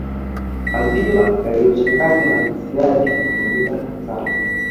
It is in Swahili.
Maziwa yaliyochanganywa na siagi hutumika sana